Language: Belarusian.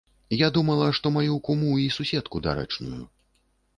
Я думала, што маю куму і суседку дарэчную.